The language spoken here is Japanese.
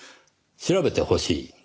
「調べてほしい」